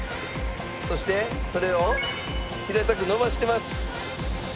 そしてそれを平たく伸ばしてます。